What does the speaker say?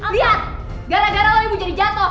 liat gara gara lu ibu jadi jatoh